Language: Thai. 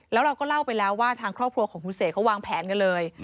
แล้วเราก็เล่าไปแล้วว่าทางครอบครัวของคุณเสกเขาวางแผนกันเลย